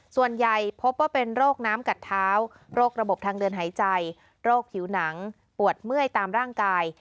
ส่วนใหญ่พบว่าเป็นโรคน้ำกัดเท้าโรคระบบทางเดินหายใจโรคผิวหนังปวดเมื่อยตามร่างกาย